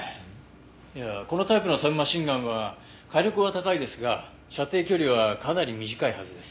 いやこのタイプのサブマシンガンは火力は高いですが射程距離はかなり短いはずです。